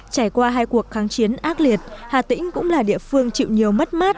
trải qua hai cuộc kháng chiến ác liệt hà tĩnh cũng là địa phương chịu nhiều mất mát